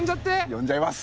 呼んじゃいます！